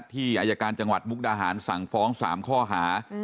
อายการจังหวัดมุกดาหารสั่งฟ้อง๓ข้อหา